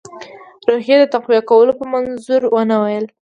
روحیې د تقویه کولو په منظور ونه ویل.